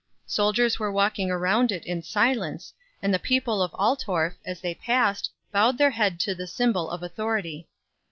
Soldiers were walking around it in silence, and the people of Altorf, as they passed, bowed their head to the symbol of authority.